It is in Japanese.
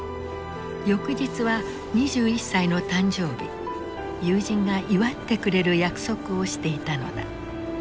翌日は２１歳の誕生日友人が祝ってくれる約束をしていたのだ。